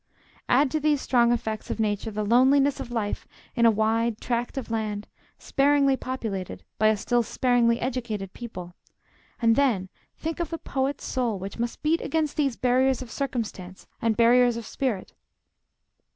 Add to these strong effects of nature the loneliness of life in a wide tract of land, sparingly populated by a still sparingly educated people, and then think of the poet's soul which must beat against these barriers of circumstance and barriers of spirit!